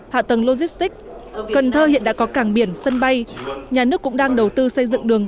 hạ tầng logistics cần thơ hiện đã có cảng biển sân bay nhà nước cũng đang đầu tư xây dựng đường